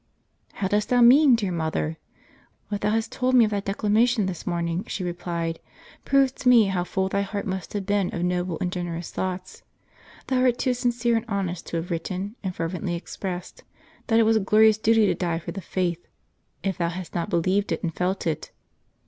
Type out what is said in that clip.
" How dost thou mean, dear mother? "" What thou hast told me of thy declamation this morn ing," she replied, "proves to me how full thy heart must have been of noble and generous thoughts ; thou art too sin cere and honest to have written, and fervently expressed, that it was a glorious duty to die for the faith, if thou hadst not believed it and felt it."